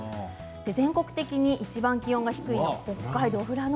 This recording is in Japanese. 全国的にいちばん気温が低いのは北海道富良野。